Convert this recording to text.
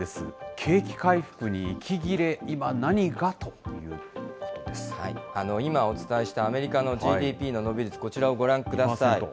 景気回復に息切れ、今お伝えしたアメリカのＧＤＰの伸び率、こちらをご覧ください。